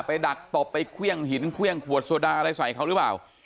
ดักตบไปเครื่องหินเครื่องขวดโซดาอะไรใส่เขาหรือเปล่า